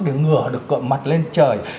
để ngửa được cộng mặt lên trời